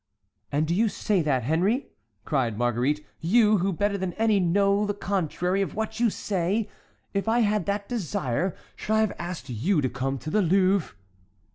"And do you say that, Henry?" cried Marguerite; "you, who better than any know the contrary of what you say? If I had that desire, should I have asked you to come to the Louvre?"